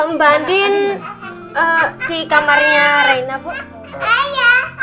mbak andien di kamarnya reina pok